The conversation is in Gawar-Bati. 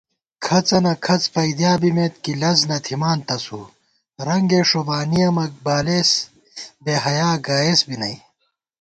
کھڅَنہ کھڅ پَئیدِیا بِمېت کِی لزنہ تھِمان تسُو * رنگےݭوبانِیَہ مہ بالېس بېحیا گائیس بی نئ